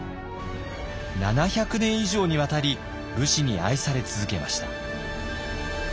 ７００年以上にわたり武士に愛され続けました。